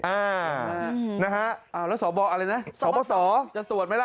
อ่านะฮะอ้าวแล้วสบอะไรนะสบสจะตรวจไหมล่ะ